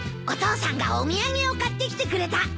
お父さんがお土産を買ってきてくれた。